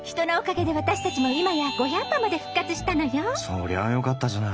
そりゃあよかったじゃない。